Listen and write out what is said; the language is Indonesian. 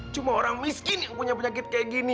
cuma orang miskin yang punya penyakit kayak gini